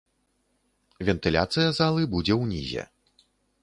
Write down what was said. Вентыляцыя залы будзе ўнізе.